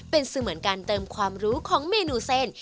เป็นเสมือนการเติมความรู้ของเมนูเส้น